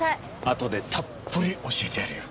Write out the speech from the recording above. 後でたっぷり教えてやるよ。